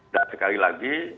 dan sekali lagi